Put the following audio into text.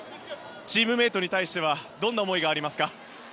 チームメートに対してはどんな思いがありますか？